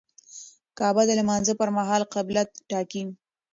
کعبه د لمانځه پر مهال قبله ټاکي.